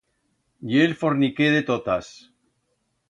Ye el forniquer de totas.